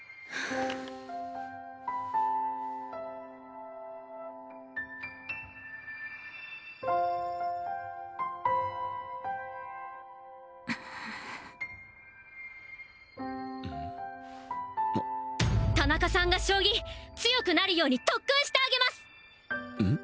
あ田中さんが将棋強くなるように特訓してあげますうん？